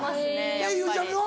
えっゆうちゃみは？